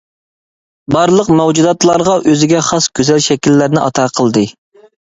بارلىق مەۋجۇداتلارغا ئۆزىگە خاس گۈزەل شەكىللەرنى ئاتا قىلدى.